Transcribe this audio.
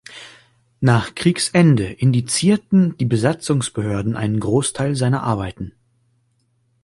Nach Kriegsende indizierten die Besatzungsbehörden einen Großteil seiner Arbeiten.